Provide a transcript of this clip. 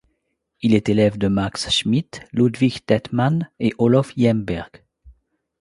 Il est élève de Max Schmidt, Ludwig Dettmann et Olof Jemberg.